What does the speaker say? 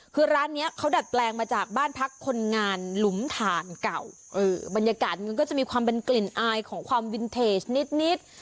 คือร้านเนี้ยเขาดัดแปลงมาจากบ้านพักคนงานหลุมฐานเก่าบรรยากาศมันก็จะมีความเป็นกลิ่นอายของความวินเทจนิดนิด